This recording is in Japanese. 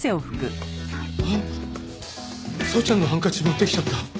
あっ宗ちゃんのハンカチ持ってきちゃった。